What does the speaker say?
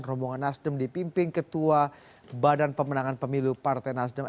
rombongan nasdem dipimpin ketua badan pemenangan pemilu partai nasdem